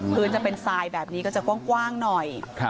จะเป็นทรายแบบนี้ก็จะกว้างหน่อย